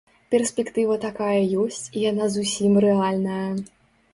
Перспектыва такая ёсць, і яна зусім рэальная.